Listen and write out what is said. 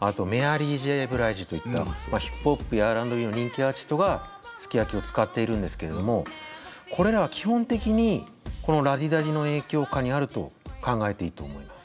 あとメアリー・Ｊ．ブライジといったヒップホップやＲ＆Ｂの人気アーティストが「ＳＵＫＩＹＡＫＩ」を使っているんですけれどもこれらは基本的にこの「ＬａＤｉＤａＤｉ」の影響下にあると考えていいと思います。